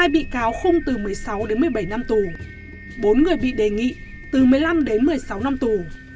hai bị cáo không từ một mươi sáu đến một mươi bảy năm tù bốn người bị đề nghị từ một mươi năm đến một mươi sáu năm tù